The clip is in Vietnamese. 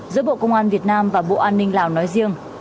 giữa bộ công an việt nam và bộ an ninh lào nói riêng